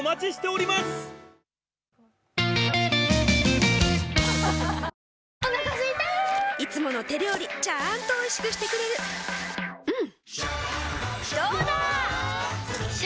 お腹すいたいつもの手料理ちゃんとおいしくしてくれるジューうんどうだわ！